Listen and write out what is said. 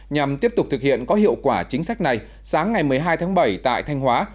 nhằm tiếp tục thực hiện có hiệu quả chính sách này sáng ngày một mươi hai tháng bảy tại thanh hóa